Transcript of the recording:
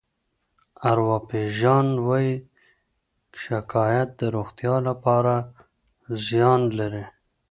ارواپيژان وايي شکایت د روغتیا لپاره زیان لري.